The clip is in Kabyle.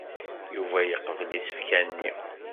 Yuba yeqbel isefka-nni.